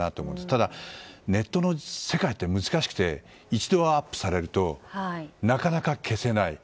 ただ、ネットの世界って難しくて一度アップされるとなかなか消せない。